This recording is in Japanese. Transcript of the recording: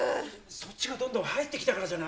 そっちがどんどん入ってきたからじゃない？